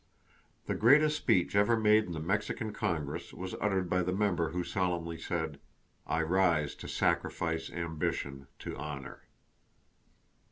The greatest speech ever made in the Mexican Congress was uttered by the member who solemnly said: "I rise to sacrifice ambition to honor!"